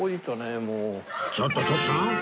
ちょっと徳さん！